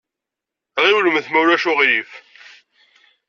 Ɣiwlemt ma ulac aɣilif!